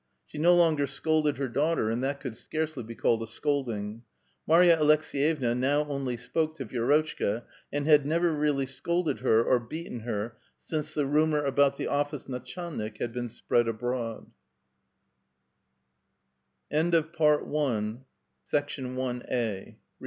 She no longer scolded her daughter, and that could scarcely be called a scolding. Marya Aleks^yevna now only spoke to Vidrotchka, and had never really scolded her or beaten her since the rumor about the office natchcUnik had been spread abroad.